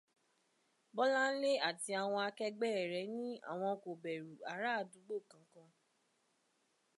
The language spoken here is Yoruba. Bọ́láńlé àti àwọn akẹgbẹ́ rẹ̀ ní àwọn kò bẹrù ará àdúgbò kankan.